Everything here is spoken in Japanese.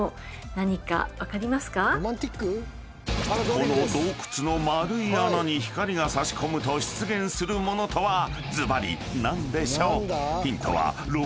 ［この洞窟の丸い穴に光が差し込むと出現するものとはずばり何でしょう？］